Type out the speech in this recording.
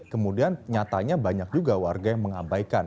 kemudian nyatanya banyak juga warga yang mengabaikan